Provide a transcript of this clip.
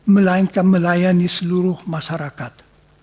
melainkan melayani seluruh masyarakat